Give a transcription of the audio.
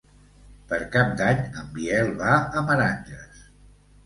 Per Cap d'Any en Biel va a Meranges.